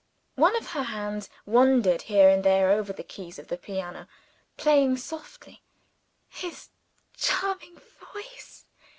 One of her hands wandered here and there over the keys of the piano, playing softly. "His charming voice!"